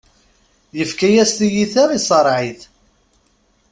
Yefka-yas tiyita iṣreɛ-it.